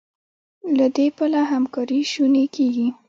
له دې پله همکاري شونې کېږي.